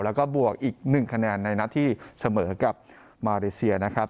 แล้วก็บวกอีก๑คะแนนในนัดที่เสมอกับมาเลเซียนะครับ